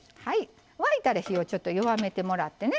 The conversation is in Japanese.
沸いたら火をちょっと弱めてもらってね